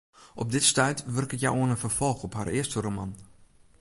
Op dit stuit wurket hja oan in ferfolch op har earste roman.